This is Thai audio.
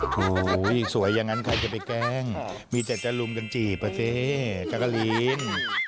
ถูยยสวยอย่างนั้นใครจะไปแกล้งมีแต่จารุมจังจีบเจ๊จักริน